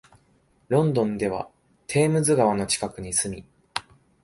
ロンドンではテームズ川の近くに住み、